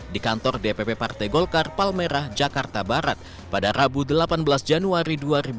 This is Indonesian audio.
di kantor dpp partai golkar palmerah jakarta barat pada rabu delapan belas januari dua ribu dua puluh